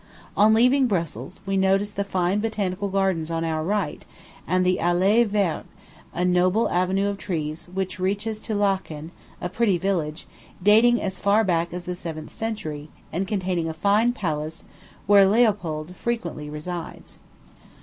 On leaving Brussels, we noticed the fine botanical gardens on our right, and the Allée Verte, a noble avenue of trees which reaches to Laeken, a pretty village, dating as far back as the seventh century, and containing a fine palace, where Leopold frequently resides.